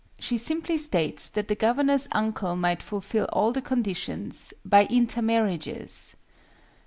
She simply states that the Governor's uncle might fulfill all the conditions "by intermarriages"!